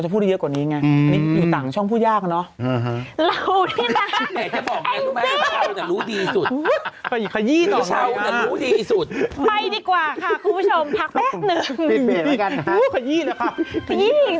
ว้าวขยี่เลยครับขยี่จริงเนี่ย